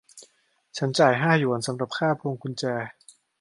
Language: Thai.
ฉันจ่ายห้าหยวนสำหรับค่าพวงกุญแจ